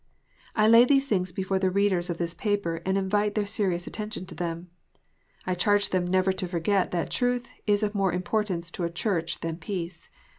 I lay these things before the readers of this paper, and invite their serious attention to them. I charge them never to forget that truth is of more importance to a Church than peace.